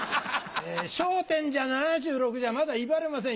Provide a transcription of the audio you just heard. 『笑点』じゃ７６じゃまだ威張れませんよ。